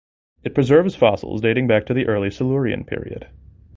It preserves fossils dating back to the early Silurian period.